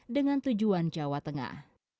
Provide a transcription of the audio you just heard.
dengan tujuan jawa tengah